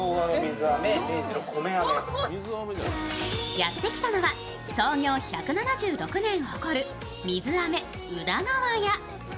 やってきたのは創業１７６年を誇る水飴宇田川や。